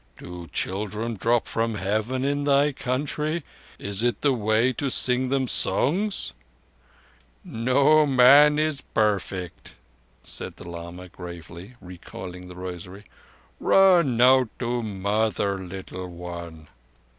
Do children drop from Heaven in thy country? Is it the Way to sing them songs?" "No man is all perfect," said the lama gravely, recoiling the rosary. "Run now to thy mother, little one."